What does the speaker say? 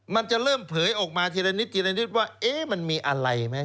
มันจะเริ่มเผยออกมาทีละนิดทีละนิดว่ามันมีอะไรไหม